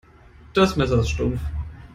Das Messer ist stumpf.